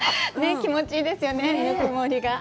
気持ちいいですよね、ぬくもりが。